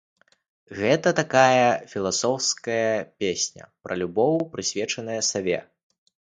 Гэта такая філасофская песня пра любоў, прысвечаная саве.